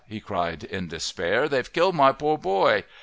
he cried in despair, "they've killed my poor boy!"